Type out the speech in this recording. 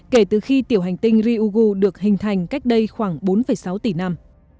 kể từ khi tiểu hành tinh ryugu được hình thành cách đây khoảng bốn sáu tỷ năm